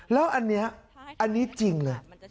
แล้วอันนี้อันนี้จริงเลย